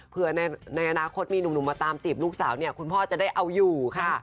เพื่อในอนาคตมีหนุ่มมาตามจีบลูกสาวเนี่ยคุณพ่อจะได้เอาอยู่ค่ะ